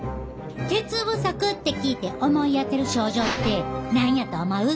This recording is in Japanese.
鉄不足って聞いて思い当たる症状って何やと思う？